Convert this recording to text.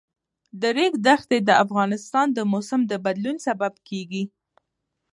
د ریګ دښتې د افغانستان د موسم د بدلون سبب کېږي.